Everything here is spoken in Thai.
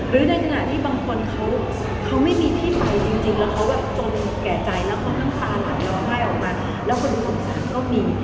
หรือในขณะที่บางคนเค้าไม่มีที่ใหม่จริงแล้วเค้าแบบจนแก่ใจแล้วค่อนข้างตาหลังแล้วไห้ออกมาแล้วคุณคุณสงสารก็มี